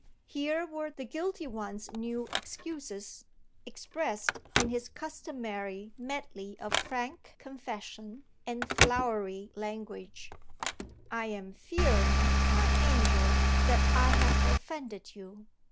Here were the guilty one's new excuses, expressed in his customary medley of frank confession and flowery language: "I am fearing, my angel, that I have offended you.